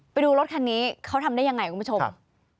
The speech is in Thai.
ไปดูรถคันนี้เขาทำได้ยังไงคุณผู้ชม